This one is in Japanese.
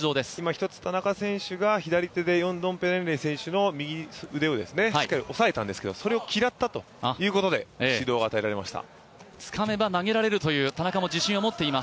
１つ田中選手が左手でヨンドンペレンレイ選手の右腕をしっかり押さえたんですけどそれを嫌ったということで指導を与えられました。